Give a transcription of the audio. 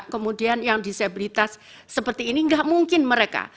kemudian yang disabilitas seperti ini nggak mungkin mereka